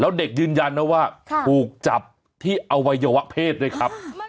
แล้วเด็กยืนยันนะว่าถูกจับที่อวัยวะเพศด้วยครับ